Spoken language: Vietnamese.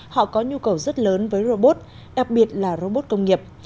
họ có nhu cầu rất lớn với robot đặc biệt là robot công nghiệp